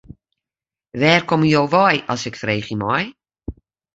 Wêr komme jo wei as ik freegje mei.